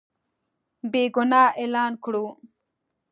بېګناه اعلان کړو.